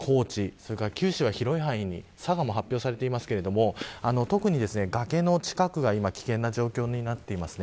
それから九州は広い範囲に佐賀も発表されていますが特に崖の近くは今、危険な状況になっています。